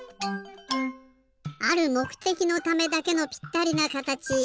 あるもくてきのためだけのぴったりなかたちすごいですね。